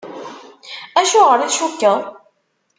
Acuɣer i tcukkeḍ?